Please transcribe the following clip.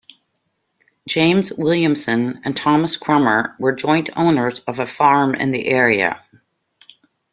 James Williamson and Thomas Crummer were joint owners of a farm in the area.